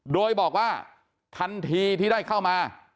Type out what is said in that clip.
โดยบอกว่าทันทีที่ได้เข้ามา